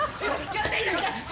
やめて！